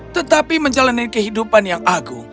tetapi menjalani kehidupan yang agung